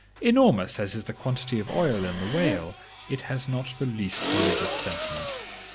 Enormous as is the quantity of oil in the whale, it has not the least religious sentiment.